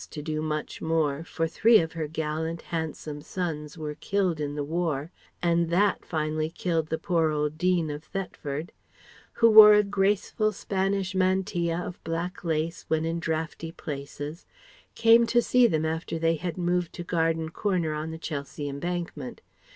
to do much more, for three of her gallant, handsome sons were killed in the War, and that finally killed the poor old Dean of Thetford), who wore a graceful Spanish mantilla of black lace when in draughty places, came to see them after they had moved to Garden Corner on the Chelsea Embankment.